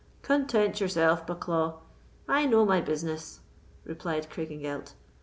"Content yourself, Bucklaw; I know my business," replied Craigengelt.